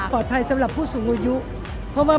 โปรดติดตามตอนต่อไป